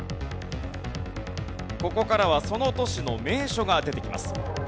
ここからはその都市の名所が出てきます。